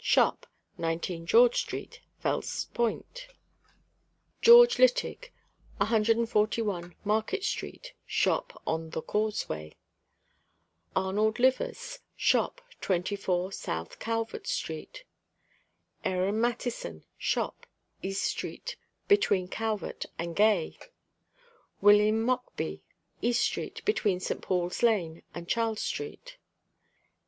Shop, 19 George street, Fell's Point. GEORGE LITTIG, 141 Market street, Shop on "The Causeway." ARNOLD LIVERS, Shop, 24 South Calvert street. AARON MATTISON, Shop, East street, between Calvert and Gay. WILLIAM MOCKBEE, East street, between St. Paul's lane and Charles street.